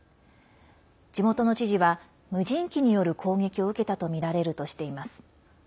地元の知事は無人機による攻撃を受けたとみられるとしています。